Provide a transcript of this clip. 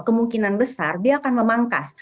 kemungkinan besar dia akan memangkas